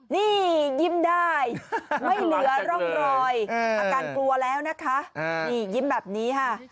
นี่ยิ้มได้ไม่เหลือร่องรอยอาการกลัวแล้วนะคะนี่ยิ้มแบบนี้ค่ะ